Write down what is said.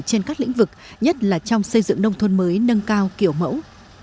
trên các lĩnh vực nhất là trong xây dựng nông thôn mới nâng cao kiểu mẫu